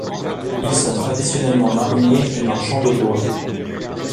Ils sont traditionnellement mariniers et marchands de bois.